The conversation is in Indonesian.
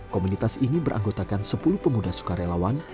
komunitas ini beranggotakan sepuluh pemuda sukarelawan